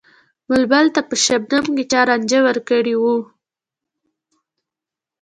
بلبل ته په شبنم کــــې چا رانجه ور کـــړي وو